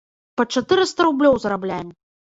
Па чатырыста рублёў зарабляем.